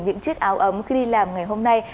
những chiếc áo ấm khi đi làm ngày hôm nay